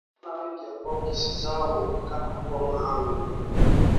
Wavulana wengine ambao kesi zao huonekana kuwa maalumu